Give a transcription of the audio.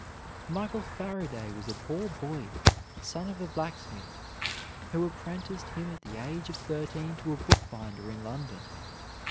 Michael Faraday was a poor boy, son of a blacksmith, who apprenticed him at the age of thirteen to a bookbinder in London.